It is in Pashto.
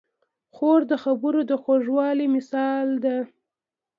خور د خبرو د خوږوالي مثال ده.